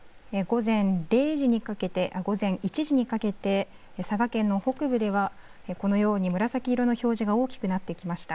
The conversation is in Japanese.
午前１時にかけて、佐賀県の北部では、このように紫色の表示が大きくなってきました。